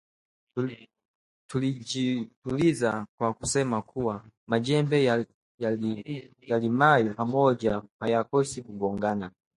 Tulijituliza kwa kusema kuwa majembe yalimayo pamoja hayakosi kugongana